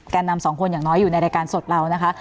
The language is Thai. นำสองคนอย่างน้อยอยู่ในรายการสดเรานะคะ